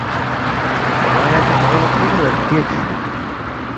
کھوانگ یا چنگرو لہ ٹُوم گرِیکس